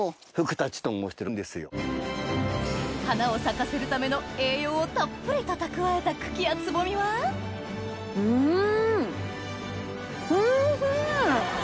花を咲かせるための栄養をたっぷりと蓄えた茎や蕾はうん！